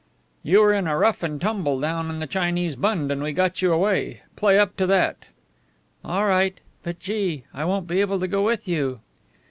"You were in a rough and tumble down the Chinese Bund, and we got you away. Play up to that." "All right. But, gee! I won't be able to go with you."